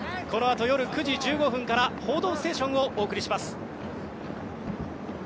このあと夜９時１５分から「報道ステーション」をお送りします。